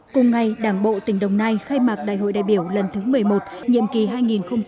cùng ngày đảng bộ tỉnh đồng nai khai mạc đại hội đại biểu lần thứ một mươi một nhiệm kỳ hai nghìn hai mươi hai nghìn hai mươi năm